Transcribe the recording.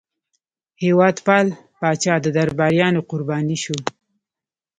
هېوادپال پاچا د درباریانو قرباني شو.